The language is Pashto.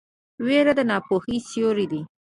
ویره د ناپوهۍ سیوری دی.